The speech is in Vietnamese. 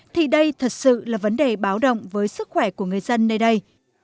thì đây thật sự là vấn đề báo động với sức khỏe của người dân nơi đây